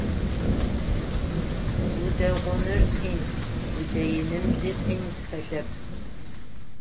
Удэгъуныр къин, удэиным зи къин хэлъэп.